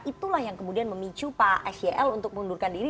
itulah yang kemudian memicu pak s y l untuk mengundurkan diri